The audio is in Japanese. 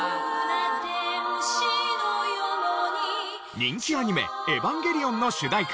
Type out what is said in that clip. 人気アニメ『エヴァンゲリオン』の主題歌